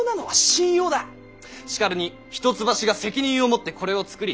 しかるに一橋が責任を持ってこれを作り